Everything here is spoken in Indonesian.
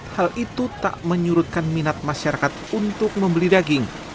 hal itu tak menyurutkan minat masyarakat untuk membeli daging